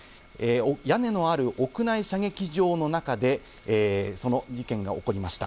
屋根のある屋内射撃場の中でその事件が起こりました。